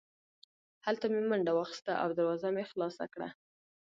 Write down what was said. هلته مې منډه واخیسته او دروازه مې خلاصه کړه